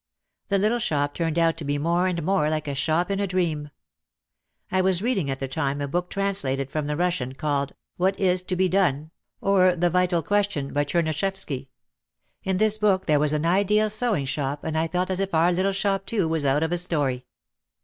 The little shop turned out to be more and more like a shop in a dream. I was reading at the time a book translated from the Russian called, "What Is to Be Done, or The Vital Question," by Cherneshefsky. In this book there was an ideal sewing shop and I felt as if our little shop too was out of a story.